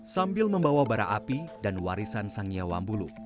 sambil membawa bara api dan warisan sangya wambulu